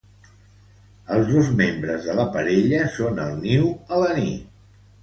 Els dos membres de la parella són al niu a la nit.